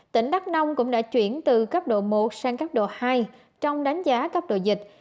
tỉnh đắk nông cũng đã chuyển từ cấp độ một sang cấp độ hai trong đánh giá cấp độ dịch